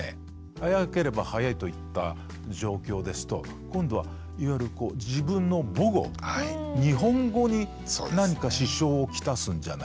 早ければ早いといった状況ですと今度はいわゆる自分の母語日本語に何か支障を来すんじゃないか。